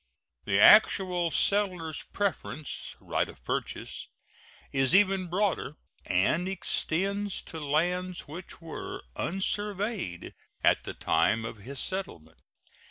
The actual settler's preference right of purchase is even broader, and extends to lands which were unsurveyed at the time of his settlement.